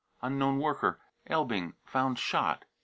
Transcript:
unknown worker, Elbing, found shot.